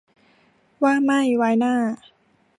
ว่าไม่ไว้หน้า